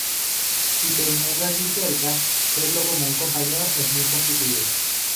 Y tenerlo allí cerca, verlo como compañero es muy positivo.